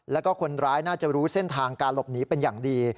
แล้วก็คนร้ายน่าจะรู้เส้นทางการหลบหนีเป็นอย่างดี